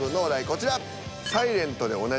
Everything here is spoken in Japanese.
こちら。